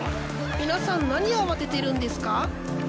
皆さん何慌ててるんですか？